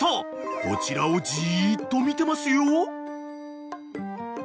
［こちらをじっと見てますよ］